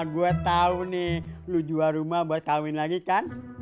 gue tau nih lu jual rumah buat kawin lagi kan